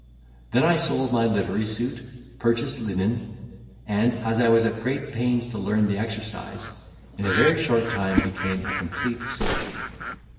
Then I sold my livery suit, purchased linen, and, as I was at great pains to learn the exercise, in a very short time became a complete soldier.